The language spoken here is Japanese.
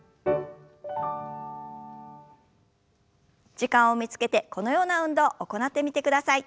時間を見つけてこのような運動を行ってみてください。